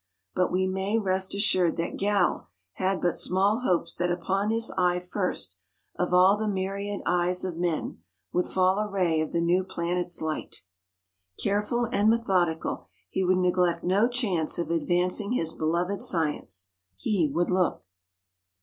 But we may rest assured that Galle had but small hopes that upon his eye first, of all the myriad eyes of men, would fall a ray of the new planet's light. Careful and methodical, he would neglect no chance of advancing his beloved science. He would look.